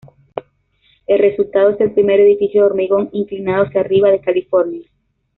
El resultado es el primer edificio de hormigón inclinado hacia arriba de California.